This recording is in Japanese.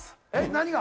何が？